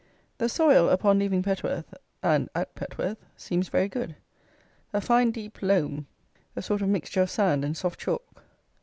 The soil upon leaving Petworth, and at Petworth, seems very good; a fine deep loam, a sort of mixture of sand and soft chalk.